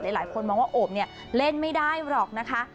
หลายคนมองว่าโอบเนี่ยเล่นไม่ได้หรอกนะคะ